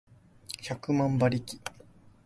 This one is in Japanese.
百万馬力